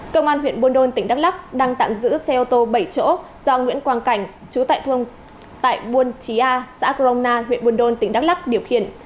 công an huyện buồn đôn tỉnh đắk lắk đang tạm giữ xe ô tô bảy chỗ do nguyễn quang cảnh chú tại buôn chí a xã crona huyện buồn đôn tỉnh đắk lắk điều khiển